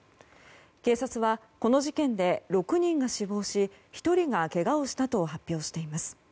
警察は、この事件で６人が死亡し１人がけがをしたと発表しています。